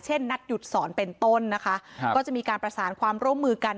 นัดหยุดสอนเป็นต้นนะคะก็จะมีการประสานความร่วมมือกัน